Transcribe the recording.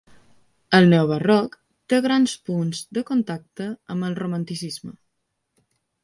El Neobarroc té grans punts de contacte amb el Romanticisme.